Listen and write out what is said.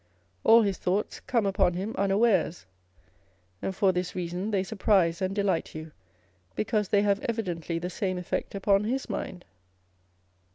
All his thoughts come upon him unawares, and for this reason they surprise and delight you, because they have evidently the same effect upon his mind.